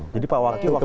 jadi pak wakil waktu itu